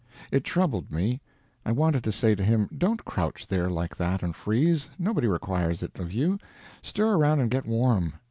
It troubled me. I wanted to say to him, "Don't crouch there like that and freeze; nobody requires it of you; stir around and get warm."